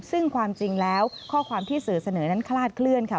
ซึ่งความจริงแล้วข้อความที่สื่อเสนอนั้นคลาดเคลื่อนค่ะ